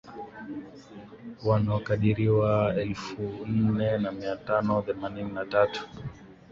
wanaokadiriwa kuwa elfu nne mia tatu themanini na tatu